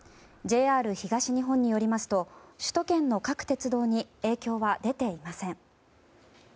ＪＲ東日本によりますと首都圏の各鉄道に影響は出ていません。